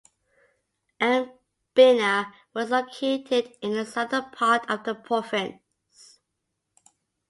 Pembina was located in the southern part of the province.